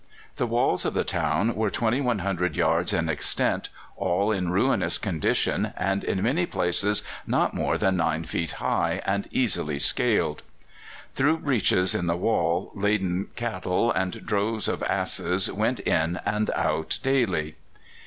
The walls of the town were 2,100 yards in extent, all in ruinous condition, and in many places not more than 9 feet high, and easily scaled. Through breaches in the wall laden cattle and droves of asses went in and out daily.